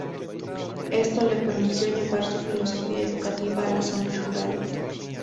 Esto le permitió llevar su filosofía educativa a las zonas rurales.